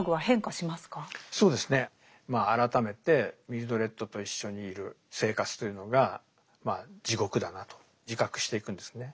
まあ改めてミルドレッドと一緒にいる生活というのが地獄だなと自覚していくんですね。